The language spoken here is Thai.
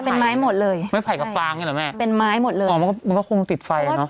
เป็นไม้หมดเลยเป็นไม้หมดเลยมันก็คงติดไฟเนอะ